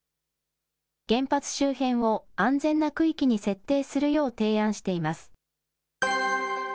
原発周辺を安全な区域に設定するよう提案しています。